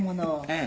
「ええ。